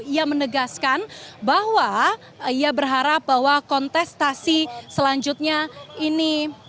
ia menegaskan bahwa ia berharap bahwa kontestasi selanjutnya ini